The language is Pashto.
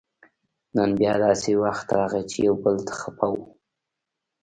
نن بیا داسې وخت راغی چې یو بل ته خپه وو